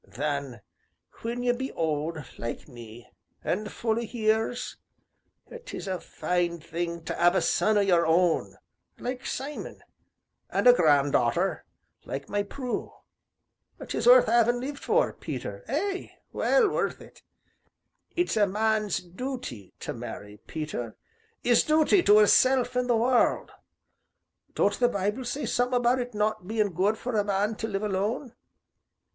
Then, when ye be old, like me, an' full o' years 'tis a fine thing to 'ave a son o' your own like Simon an' a granddarter like my Prue 'tis worth 'aving lived for, Peter, ay, well worth it. It's a man's dooty to marry, Peter, 'is dooty to 'isself an' the world. Don't the Bible say summat about it not bein' good for a man to live alone?